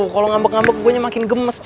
kalau ngambek ngambek kuenya makin gemes